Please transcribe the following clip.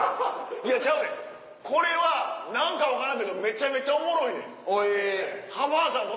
いやちゃうねんこれは何か分からんけどめちゃめちゃおもろいねん。